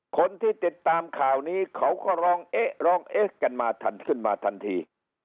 คนที่ติดตามข่าวนี้เขาก็ร้องเอ๊ะร้องเอ๊ะกันมาทันขึ้นมาทันที